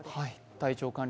体調管理